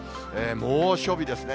猛暑日ですね。